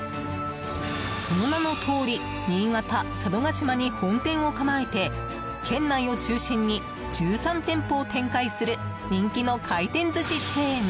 その名のとおり新潟・佐渡島に本店を構えて県内を中心に１３店舗を展開する人気の回転寿司チェーン。